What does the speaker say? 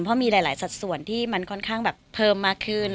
เพราะมีหลายสัดส่วนที่มันค่อนข้างแบบเพิ่มมากขึ้น